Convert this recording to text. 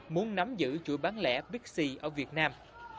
muốn nắm giữ chuỗi bán lẻ bixi ở việt nam